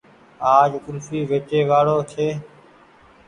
آج ڪولڦي ويچي واڙو ڇي